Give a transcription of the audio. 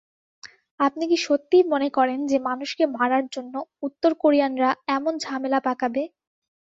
আপনি কি সত্যিই মনে করেন যে মানুষকে মারার জন্য উত্তর কোরিয়ানরা এমন ঝামেলা পাকাবে?